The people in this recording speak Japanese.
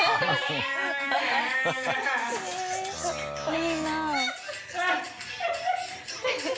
いいな。